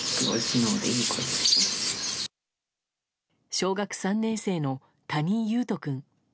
小学３年生の谷井勇斗君。